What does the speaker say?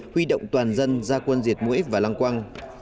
huy động toàn dân ra quân diệt mũi và lăng quang